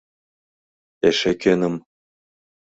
Эше кӧным?